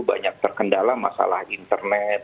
banyak terkendala masalah internet